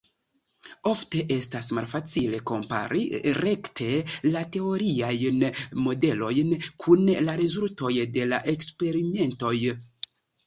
Ofte estas malfacile kompari rekte la teoriajn modelojn kun la rezultoj de la eksperimentoj.